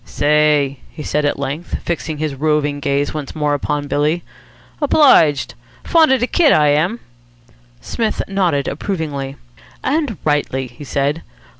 "Say!" he said at length, fixing his roving gaze once more upon Billy. "Obliged. Fond of de kit, I am." Psmith nodded approvingly. "And rightly," he said.